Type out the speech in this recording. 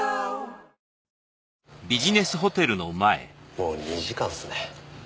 もう２時間っすね。